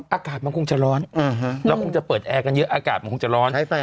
อากาศมันคงจะร้อนเราคงจะเปิดแอร์กันเยอะอากาศมันคงจะร้อน